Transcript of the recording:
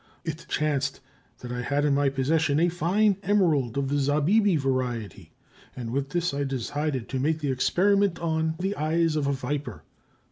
It chanced that I had in my possession a fine emerald of the zabâbi variety, and with this I decided to make the experiment on the eyes of a viper.